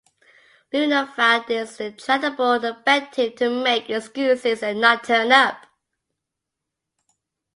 Lewknor found this intractable and begged him to make excuses and not turn up.